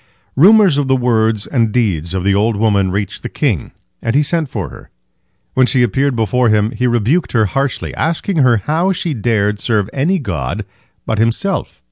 Rumors of the words and deeds of the old woman reached the king, and he sent for her. When she appeared before him, he rebuked her harshly, asking her how she dared serve any god but himself.